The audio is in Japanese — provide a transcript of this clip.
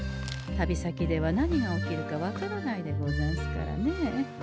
旅先では何が起きるか分からないでござんすからね。